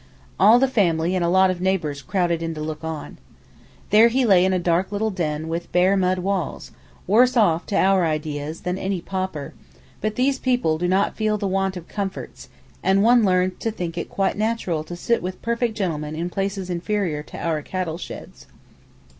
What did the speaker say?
All the family and a lot of neighbours crowded in to look on. There he lay in a dark little den with bare mud walls, worse off, to our ideas, than any pauper; but these people do not feel the want of comforts, and one learns to think it quite natural to sit with perfect gentlemen in places inferior to our cattle sheds.